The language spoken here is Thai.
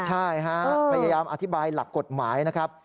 ใช่ฮะพยายามอธิบายหลักกฎหมายนะครับ